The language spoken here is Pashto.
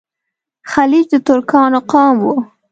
خلج د ترکانو قوم وو.